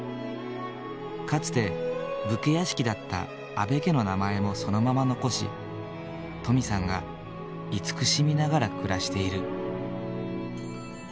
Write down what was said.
かつて武家屋敷だった阿部家の名前もそのまま残し登美さんが慈しみながら暮らしている。